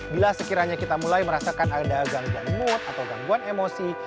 bila sekiranya kita mulai merasakan ada gangguan mood atau gangguan emosi